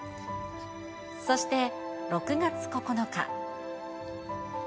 そして、６月９日。